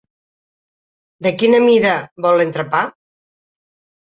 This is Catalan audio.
De quina mida vol l'entrepà?